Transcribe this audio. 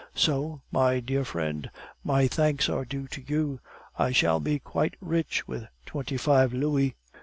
So, my dear friend, my thanks are due to you. I shall be quite rich with twenty five louis.